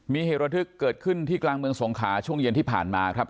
มีเหตุระทึกเกิดขึ้นที่กลางเมืองสงขาช่วงเย็นที่ผ่านมาครับ